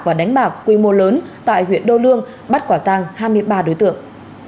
và đánh bạc quy mô lớn tại huyện đô lương bắt quả tàng hai mươi ba đối tượng